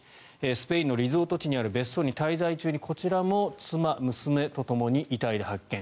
スペインのリゾート地にある別荘に滞在中にこちらも妻、娘とともに遺体で発見。